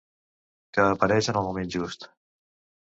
Que apareix en el moment just.